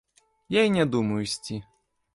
Я і не думаю ісці.